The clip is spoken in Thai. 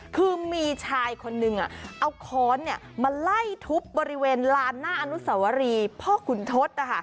คือมีชายคนนึงเอาค้อนมาไล่ทุบบริเวณลานหน้าอนุสวรีพ่อขุนทศ